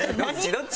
どっち？